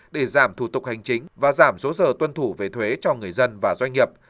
để giảm thủ tục hành chính và giảm số giờ tuân thủ về thuế cho người dân và doanh nghiệp